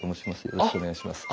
よろしくお願いします。